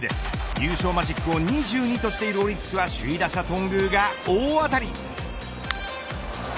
優勝マジックを２２としているオリックスは首位打者頓宮が大当たり。